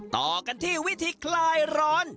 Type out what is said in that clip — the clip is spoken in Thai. ต่อกันที่วิธีคลายร้อน